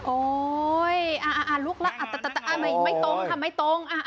โอ้ยลุกไม่ตรงค่ะถามไม่ตรง